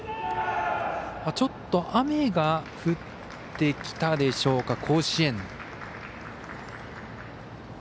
ちょっと雨が降ってきたでしょうか甲子園。